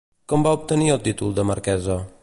Com va obtenir el títol de Marquesa?